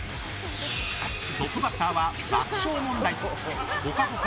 トップバッターは爆笑問題ぽかぽか